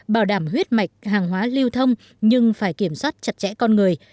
bảo đảm huyết mạch hàng hóa lưu thông nhưng phải kiểm soát chặt chẽ con người